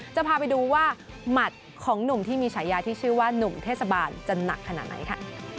จะพาไปดูว่าหมัดของหนุ่มที่มีฉายาที่ชื่อว่านุ่มเทศบาลจะหนักขนาดไหนค่ะ